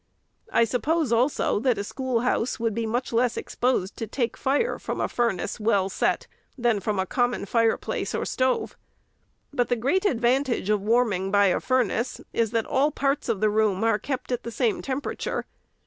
I suppose, also, that a schoolhouse would be much less exposed to take fire from a furnace well set, than from a common fireplace or stove. But the great advantage of warming by a furnace is, that all parts of the room are kept at the same temperature.